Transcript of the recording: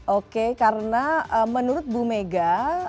oke karena menurut bu mega